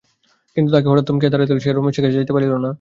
কিন্তু তাহাকে হঠাৎ থমকিয়া দাঁড়াইতে হইল, সে রমেশের কাছে যাইতে পারিল না।